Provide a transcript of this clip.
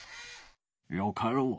よかろう。